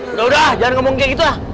udah udah jangan ngomong kayak gitu lah